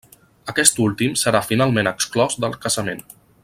Aquest últim serà finalment exclòs del casament.